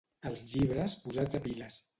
Els llibres posats a piles.